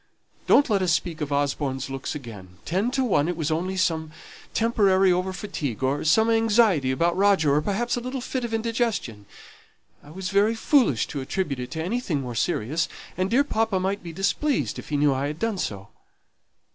Don't let us speak of Osborne's looks again; ten to one it was only some temporary over fatigue, or some anxiety about Roger, or perhaps a little fit of indigestion. I was very foolish to attribute it to anything more serious, and dear papa might be displeased if he knew I had done so.